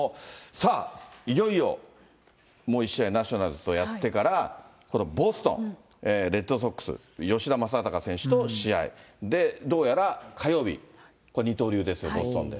さあ、いよいよもう１試合、ナショナルズとやってから、このボストンレッドソックス、吉田正尚選手と試合で、どうやら火曜日、これ、二刀流ですよ、ボストンで。